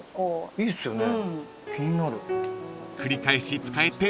いいっすね。